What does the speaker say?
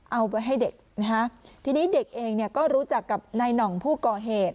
เอาไปให้เด็กทีนี้เด็กเองก็รู้จักกับนายนองผู้ก่อเหตุ